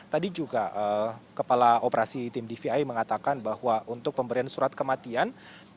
tadi juga kepala operasi tim dvi mengatakan bahwa untuk pemberian surat kematian